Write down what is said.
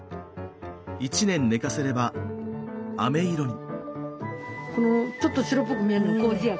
一年寝かせればあめ色に。